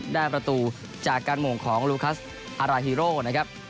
ได้ประตูจากการหม่งของลูคัสอาราฮีโร่นะครับ